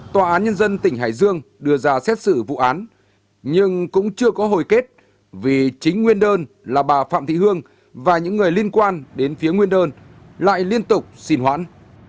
tòa án nhân dân tỉnh hải dương đưa ra xét xử vụ án nhưng cũng chưa có hồi kết vì chính nguyên đơn là bà phạm thị hương và những người liên quan đến phía nguyên đơn lại liên tục xin hoãn